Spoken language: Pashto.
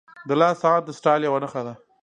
• د لاس ساعت د سټایل یوه نښه ده.